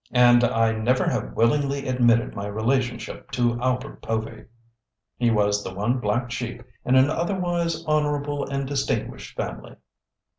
And I never have willingly admitted my relationship to Albert Povy. He was the one black sheep in an otherwise honorable and distinguished family."